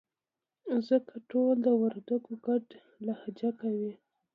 ځکه ټول د وردگو گډه لهجه کوي.